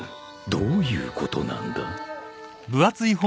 どういうことなんだ？